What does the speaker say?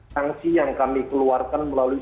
sanksi yang kami keluarkan melalui